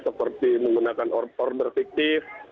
seperti menggunakan order fiktif